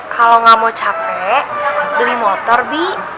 kalau nggak mau capek beli motor bi